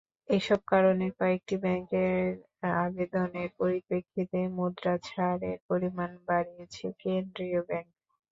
এসব কারণে কয়েকটি ব্যাংকের আবেদনের পরিপ্রেক্ষিতে মুদ্রা ছাড়ের পরিমাণ বাড়িয়েছে কেন্দ্রীয় ব্যাংক।